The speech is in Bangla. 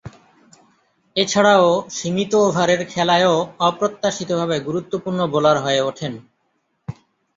এছাড়াও, সীমিত ওভারের খেলায়ও অপ্রত্যাশিতভাবে গুরুত্বপূর্ণ বোলার হয়ে উঠেন।